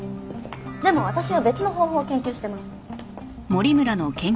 でも私は別の方法を研究してます。